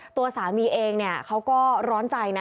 ตัวสามีเองเขาก็ร้อนใจนะ